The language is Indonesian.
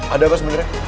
ada apa sebenernya